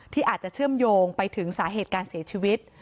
ที่อาจจะเชื่อมโยงไปถึงสาเหตุการเสียชีวิต